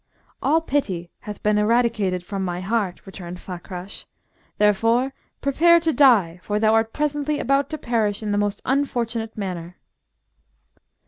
"All pity hath been eradicated from my heart," returned Fakrash. "Therefore prepare to die, for thou art presently about to perish in the most unfortunate manner."